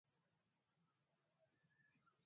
چرخ کول له حیواناتو او نباتاتو څخه شامل و.